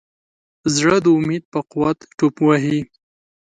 زړه د امید په قوت ټوپ وهي.